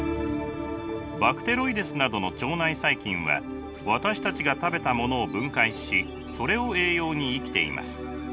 バクテロイデスなどの腸内細菌は私たちが食べたものを分解しそれを栄養に生きています。